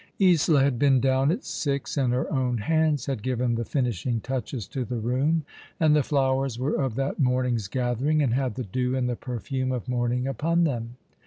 Isola had been down at six, and her own hands had given the finishing touches to the room, and the flowers were of that morning's gathering, and had the dew and the perfume of morning upon them.